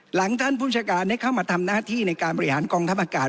หลังท่านผู้บัญชาการได้เข้ามาทำหน้าที่ในการบริหารกองธรรมกาศ